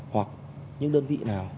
hoặc những đơn vị nào